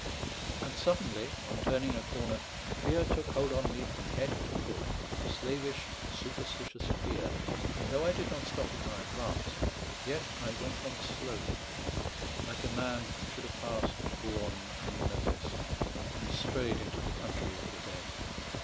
And suddenly, on turning a corner, fear took hold on me from head to foot slavish, superstitious fear; and though I did not stop in my advance, yet I went on slowly, like a man who should have passed a bourne unnoticed, and strayed into the country of the dead.